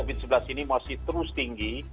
nah penyebaran covid sembilan belas ini masih terus tinggi